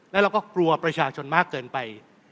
แล้วเราก็กลัวประชาชนมากเกินไป